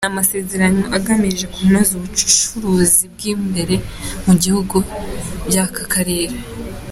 Ni amasezerano agamije kunoza ubucuruzi bw’imbere mu bihugu by’aka Karere.